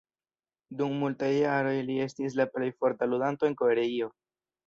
Dum multaj jaroj li estis la plej forta ludanto en Koreio.